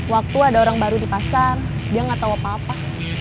waktu ada orang baru di pasar dia nggak tahu apa apa